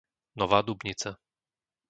Nová Dubnica